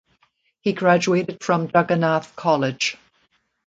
He graduated from Jagannath College.